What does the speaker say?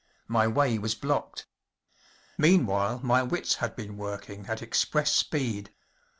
My way was blocked. Meanwhile my wits had been working at express speed.